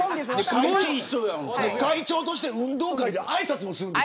会長として運動会であいさつもしている。